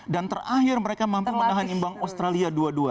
dan terakhir mereka mampu menahan imbang australia dua dua